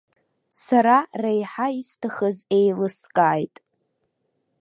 Сара реиҳа исҭахыз еилыскааит.